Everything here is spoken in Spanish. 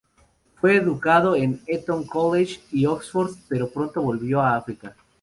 Fue educado en Eton College y Oxford pero pronto volvió a África.